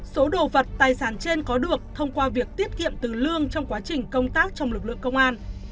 số đồ vật tài sản trên có được thông qua việc tiết kiệm từ lương trong quá trình công tác trong lực lượng công an